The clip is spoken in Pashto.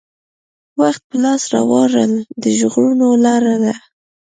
وخت په لاس راوړل د ژغورنې لاره ده.